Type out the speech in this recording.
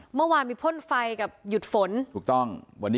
เมื่อวานมีพ่นไฟกับหยุดฝน